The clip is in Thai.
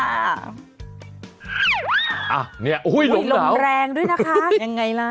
อ้าวนี่โอ้โฮลมหนาวโอ้โฮลมแรงด้วยนะคะยังไงล่ะ